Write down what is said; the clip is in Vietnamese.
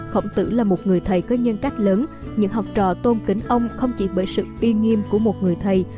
khổng tử là một người thầy có nhân cách lớn những học trò tôn kính ông không chỉ bởi sự uy nghiêm của một người thầy